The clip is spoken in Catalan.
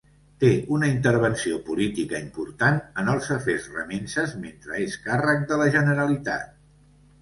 Té una intervenció política important en els afers remences mentre és càrrec de la Generalitat.